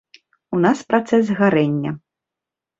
У нас працэс гарэння.